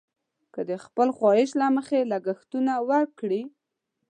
که د خپل خواهش له مخې لګښتونه وکړي.